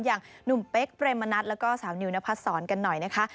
อย่างหนุ่มเป๊กเปรมนัดแล้วก็สาวนิวนพัดศรกันหน่อยนะคะ